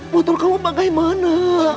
motor kamu bagaimana